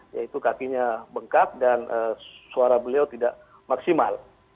yaitu kakinya bengkak dan suara beliau tidak maksimal